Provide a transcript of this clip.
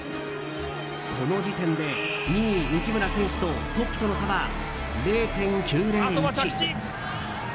この時点で２位、内村選手とトップとの差は０．９０１。